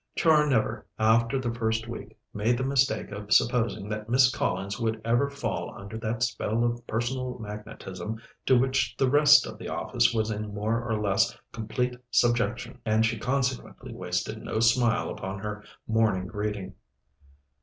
Char never, after the first week, made the mistake of supposing that Miss Collins would ever fall under that spell of personal magnetism to which the rest of the office was in more or less complete subjection, and she consequently wasted no smile upon her morning greeting.